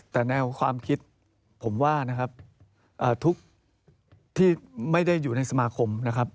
แต่แนวความคิดผมว่านะครับทุกที่ไม่ได้อยู่ในสมาคมนะครับ